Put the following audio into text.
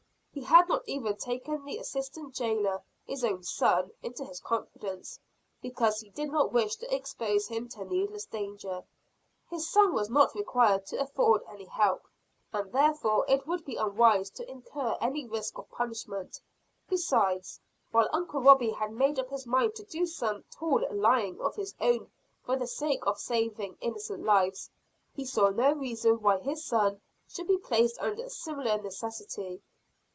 He had not even taken the assistant jailer, his own son, into his confidence, because he did not wish to expose him to needless danger. His son was not required to afford any help, and therefore it would be unwise to incur any risk of punishment. Besides, while Uncle Robie had made up his mind to do some tall lying of his own for the sake of saving innocent lives, he saw no reason why his son, should be placed under a similar necessity.